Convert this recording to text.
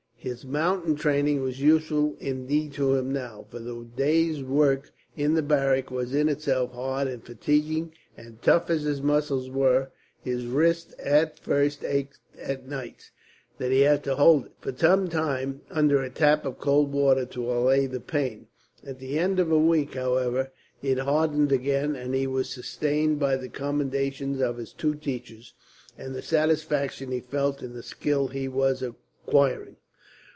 His mountain training was useful indeed to him now; for the day's work in the barrack was in itself hard and fatiguing and, tough as his muscles were, his wrist at first ached so at nights that he had to hold it, for some time, under a tap of cold water to allay the pain. At the end of a week, however, it hardened again; and he was sustained by the commendations of his two teachers, and the satisfaction he felt in the skill he was acquiring.